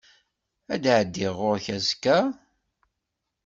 Ad d-εeddiɣ ɣur-k azekka?